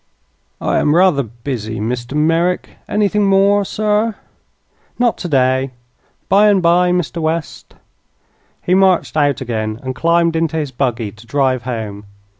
"I am rather busy, Mr. Merrick. Anything more, sir?" "Not today. Bye and bye, Mr. West." He marched out again and climbed into his buggy to drive home.